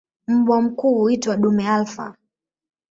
Mbwa mkuu huitwa "dume alfa".